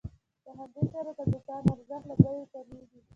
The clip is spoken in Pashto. په همدې سره د بوټانو ارزښت له بیې کمېږي